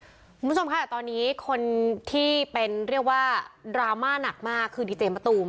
คุณผู้ชมค่ะตอนนี้คนที่เป็นเรียกว่าดราม่าหนักมากคือดีเจมะตูม